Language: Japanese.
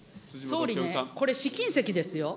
総理ね、これ試金石ですよ。